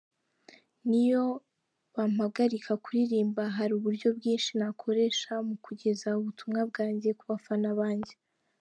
Niyo bampagarika kuririmba, hari uburyo bwinshi nakoresha mu kugeza ubutumwa bwanjye ku bafana banjye.